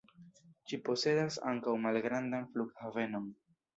Ĝi posedas ankaŭ malgrandan flughavenon.